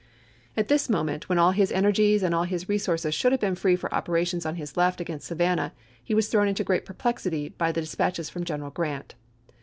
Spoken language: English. At this moment, when all his energies and all his resources should have been free for operations on his left against Savannah, he was thrown into great perplexity by dispatches from General Grant.